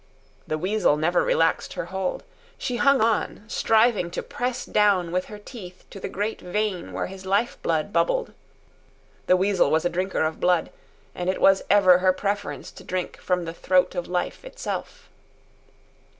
The weasel never relaxed her hold. She hung on, striving to press down with her teeth to the great vein where his life blood bubbled. The weasel was a drinker of blood, and it was ever her preference to drink from the throat of life itself.